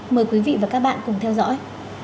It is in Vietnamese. mời quý vị và các bạn cùng theo dõi